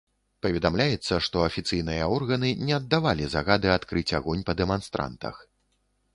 Паведамляецца, што афіцыйныя органы не аддавалі загады адкрыць агонь па дэманстрантах.